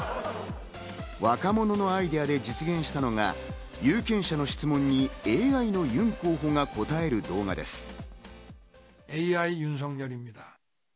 若者のアイデアで実現したのが有権者の質問にＡＩのユン候補が答える動画です。